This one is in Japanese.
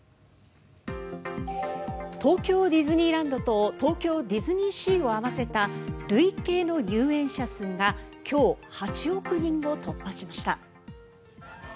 東京ディズニーランドと東京ディズニーシーを合わせた累計の入園者数が今日、８億人を突破しました。